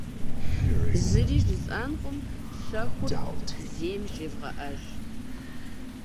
Зыри жысӏэнукъым, щэхур зейм жевгъэӏэж.